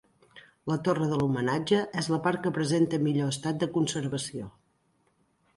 La torre de l'Homenatge és la part que presenta millor estat de conservació.